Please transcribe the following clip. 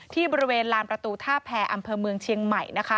ที่บริเวณลานประตูท่าแพรอำเภอเมืองเชียงใหม่